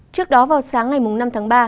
trước đó vào sáng ngày năm tháng ba